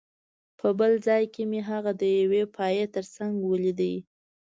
په بل ځل مې هغه د یوې پایې ترڅنګ ولیده